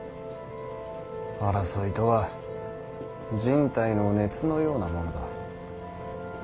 争いとは人体の熱のようなものだ。